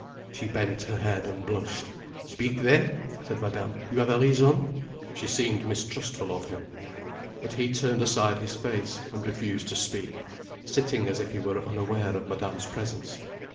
She bent her head and blushed. "Speak then," said Madame, "you have a reason." She seemed mistrustful of him. But he turned aside his face, and refused to speak, sitting as if he were unaware of Madame's presence.